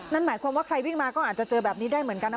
นั่นหมายความว่าใครวิ่งมาก็อาจจะเจอแบบนี้ได้เหมือนกันนะ